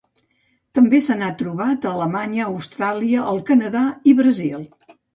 També se n'ha trobat a Alemanya, Austràlia, el Canadà i Brasil.